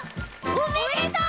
おめでとう！